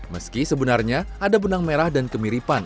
meski sebenarnya ada benang merah dan kemiripan